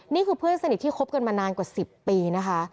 นี่คือเพื่อนสนิทที่คบกันมานานกว่า๑๐ปีนะคะ